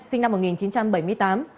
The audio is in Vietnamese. sinh năm một nghìn chín trăm bảy mươi tám